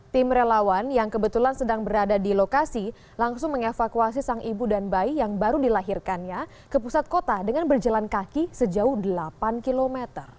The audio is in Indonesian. tim relawan yang kebetulan sedang berada di lokasi langsung mengevakuasi sang ibu dan bayi yang baru dilahirkannya ke pusat kota dengan berjalan kaki sejauh delapan km